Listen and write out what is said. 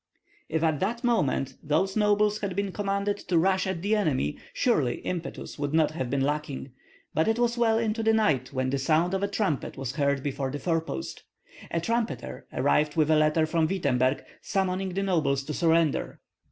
If at that moment those nobles had been commanded to rush at the enemy, surely impetus would not have been lacking; but it was well into the night when the sound of a trumpet was heard before the forepost. A trumpeter arrived with a letter from Wittemberg summoning the nobles to surrender.